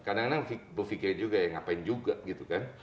kadang kadang berpikir juga ya ngapain juga gitu kan